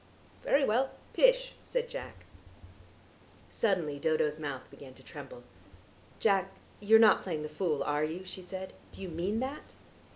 "Very well, pish," said Jack. Suddenly Dodo's mouth began to tremble. "Jack, you're not playing the fool, are you?" she said. "Do you mean that?"